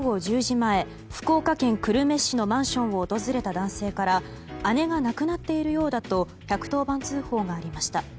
前福岡県久留米市のマンションを訪れた男性から姉が亡くなっているようだと１１０番通報がありました。